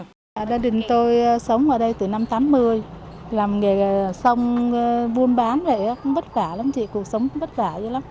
gia đình tôi sống ở đây từ năm tám mươi làm nghề xong buôn bán vậy cũng bất khả lắm chị cuộc sống cũng bất khả dữ lắm